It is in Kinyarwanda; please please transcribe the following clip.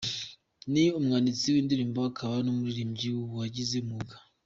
Ni umwanditsi w’indirimbo akaba n’umuririmbyi wabigize umwuga.